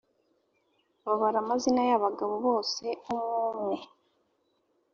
babara amazina y abagabo bose umwe umwe